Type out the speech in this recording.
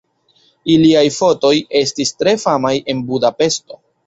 Iliaj fotoj estis tre famaj en Budapeŝto.